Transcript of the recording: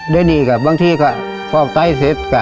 ด้วยนี่ก็บางที่ก็ฟอกไต้เสร็จก็